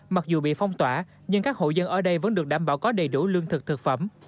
mặc dù bị phong tỏa nhưng các hộ dân ở đây vẫn được đảm bảo có đầy đủ lương thực thực phẩm